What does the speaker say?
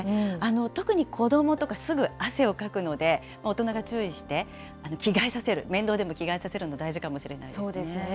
特に子どもとか、すぐ汗をかくので、大人が注意して着替えさせる、面倒でも着替えさせるの、大事かもしれないですね。